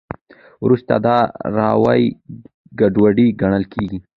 وروسته دا اروایي ګډوډي ګڼل کېږي.